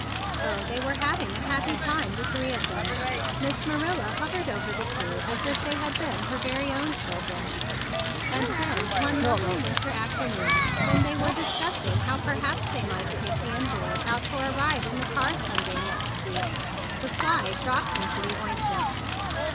Oh, they were having a happy time, the three of them! Miss Marilla hovered over the two as if they had been her very own children. And then one lovely winter after¬ noon, when they were just discussing how perhaps they might take the in¬ valid out for a ride in the car some day THE BIG BLUE SOLDIER 159 next week, the fly dropped into the ointment!